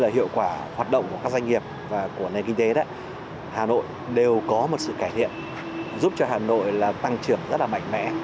hà nội đều có một sự cải thiện giúp cho hà nội tăng trưởng rất mạnh mẽ